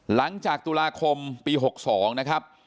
หลังจากตุลาคมปี๖๒นะครับ